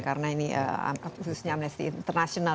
karena ini khususnya amnesty international